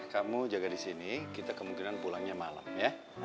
kamu jaga di sini kita kemungkinan pulangnya malam ya